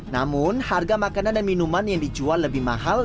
namun harga makanan dan minuman yang dijual lebih mahal